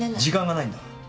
時間がないんだ。